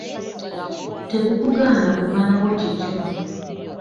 Tegukugaana kumalawo kikyo.